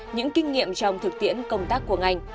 những kinh nghiệm trong thực tiễn công tác của ngành